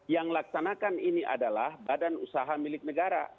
yang laksanakan ini adalah badan usaha milik negara